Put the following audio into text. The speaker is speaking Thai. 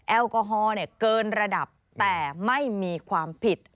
แอลกอฮอล์เกินระดับแต่ไม่มีความผิด